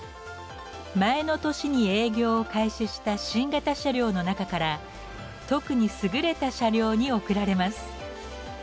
前の年に営業を開始した新型車両の中から特に優れた車両に贈られます。